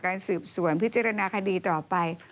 การสืบสวนพิจารณาคดีต่อไป